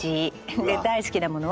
で大好きなものはお金。